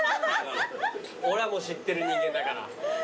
俺はもう知ってる人間だから。